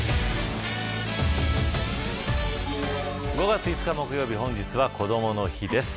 ５月５日木曜日本日はこどもの日です。